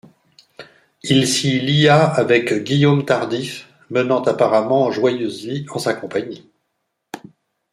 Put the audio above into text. Il s'y lia avec Guillaume Tardif, menant apparemment joyeuse vie en sa compagnie.